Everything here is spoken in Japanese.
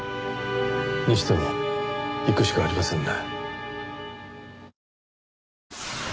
にしても行くしかありませんね。